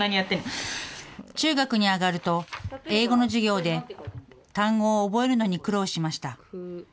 中学に上がると、英語の授業で単語を覚えるのに苦労しました。